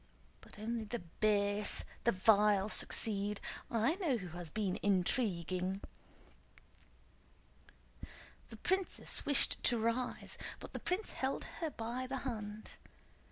But only the base, the vile succeed! I know who has been intriguing!" The princess wished to rise, but the prince held her by the hand.